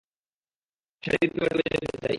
শারীরিক প্রেমে ডুবে যেতে চাই।